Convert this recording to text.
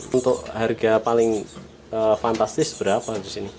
untuk harga paling fantastis berapa